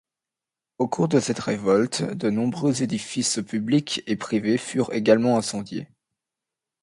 Au cours de cette révolte de nombreux édifices publics et privés furent également incendiés.